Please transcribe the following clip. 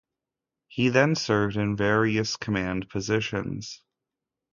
He then served in various command positions.